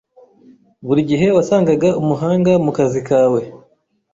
Buri gihe wasangaga umuhanga mukazi kawe.